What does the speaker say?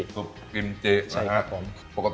ซุปกิมจิใช่ครับผม